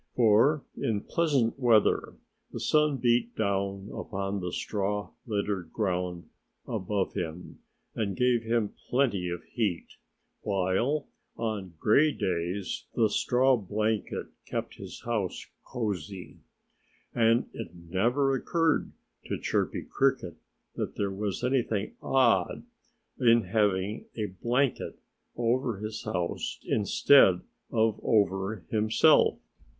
For in pleasant weather the sun beat down upon the straw littered ground above him and gave him plenty of heat, while on gray days the straw blanket kept his house cosy. And it never occurred to Chirpy Cricket that there was anything odd in having a blanket over his house instead of over himself.